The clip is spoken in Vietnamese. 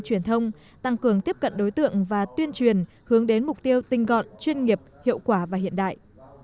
truyền thông tăng cường tiếp cận đối tượng và tuyên truyền hướng đến mục tiêu tinh gọn chuyên nghiệp hiệu quả và hiện đại